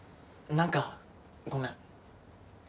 何かごめん。